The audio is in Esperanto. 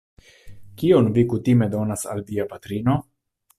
Kion vi kutime donas al via patrino?